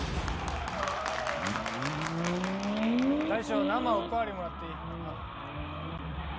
大将生おかわりもらっていい？